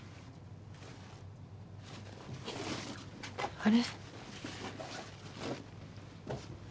あれ？